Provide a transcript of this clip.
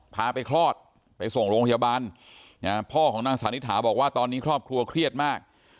พาไปคลอดไปส่งโรงพยาบาลพ่อของนางสานิถาบอกว่าตอนนี้ครอบครัวเครียดมาก